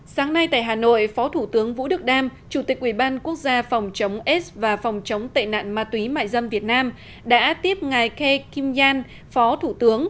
sáng nay tại hà nội phó thủ tướng vũ đức đam chủ tịch ủy ban quốc gia phòng chống aids và phòng chống tệ nạn ma túy mại dâm việt nam đã tiếp ngài ke kim yann phó thủ tướng